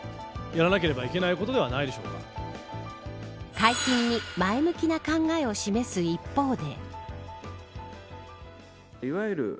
解禁に前向きな考えを示す一方で。